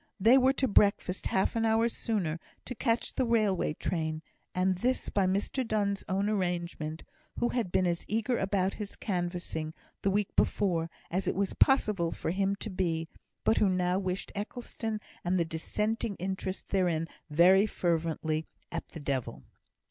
They were to breakfast half an hour sooner, to catch the railway train; and this by Mr Donne's own arrangement, who had been as eager about his canvassing, the week before, as it was possible for him to be, but who now wished Eccleston and the Dissenting interest therein very fervently at the devil.